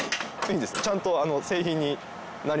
ちゃんと製品になります。